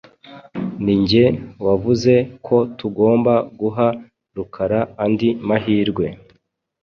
Ninjye wavuze ko tugomba guha Rukara andi mahirwe.